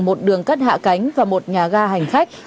một đường cất hạ cánh và một nhà ga hành khách